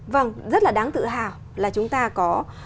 vâng rất là đáng tự hào là chúng ta có